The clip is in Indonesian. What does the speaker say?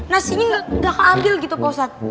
nasinya gak keambil gitu poset